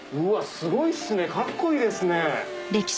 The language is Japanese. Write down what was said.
すごいっすねカッコいいですね。